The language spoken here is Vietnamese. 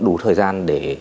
đủ thời gian để